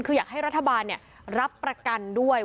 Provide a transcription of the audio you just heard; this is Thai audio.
คืออยากให้รัฐบาลรับประกันด้วย